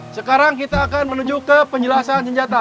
sekarang kita akan menuju ke penjelasan senjata